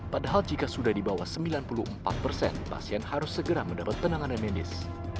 padahal jika sudah di bawah sembilan puluh empat persen pasien harus segera mendapat penanganan medis